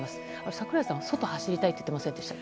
櫻井さん、外走りたいって言ってませんでした？